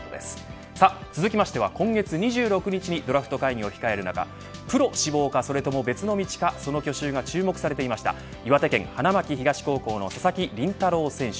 続きましては、今月２６日にドラフト会議を迎える中プロ志望かそれとも別の道か、その去就が注目されていた岩手県花巻東高校の佐々木麟太郎選手。